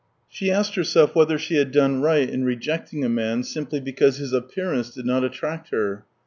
She asked herself whether she had done right in rejecting a man, simply because his appearance did not attract her.